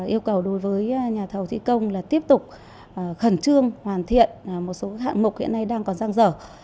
yêu cầu đối với nhà thầu thị công là tiếp tục khẩn trương hoàn thiện một số hạng mục hiện nay đang còn răng rở